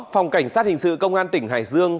phòng cảnh sát hình sự công an tỉnh hải dương